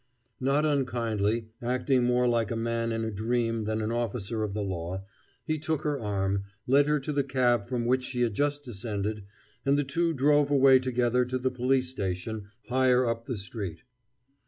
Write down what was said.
Not unkindly, acting more like a man in a dream than an officer of the law, he took her arm, led her to the cab from which she had just descended, and the two drove away together to the police station higher up the street.